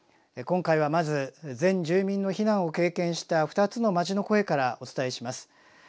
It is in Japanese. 今回はまず全住民の避難を経験した２つの町の声からお伝えします。